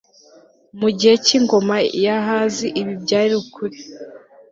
mu gihe cy'ingoma ya ahazi ibi byari ukuri